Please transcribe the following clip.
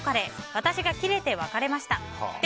私がキレて別れました。